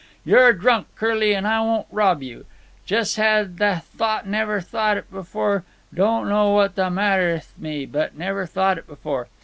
You're drunk, Curly, an' I won't rob you. Jes' had thought—never thought it before—don't know what the matter 'ith me, but never thought it before.